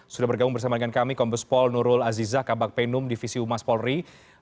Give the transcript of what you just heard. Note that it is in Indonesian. sudah bergabung bersama dengan kami kombespol nurul azizah kabak penum divisi umas polri